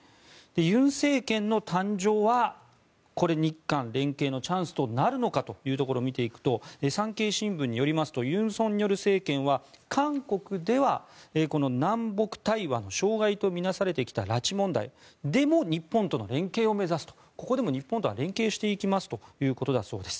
尹政権の誕生は日韓連携のチャンスとなるのかというところを見ていくと産経新聞によりますと尹錫悦政権は韓国では、この南北対話の障害と見なされてきた拉致問題でも日本との連携を目指すとここでも日本とは連携していきますということだそうです。